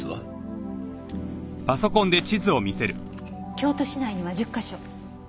京都市内には１０カ所。